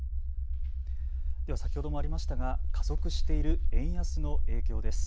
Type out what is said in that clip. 先ほどもありましたが加速している円安の影響です。